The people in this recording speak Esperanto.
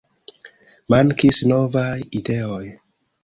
Mankis novaj ideoj.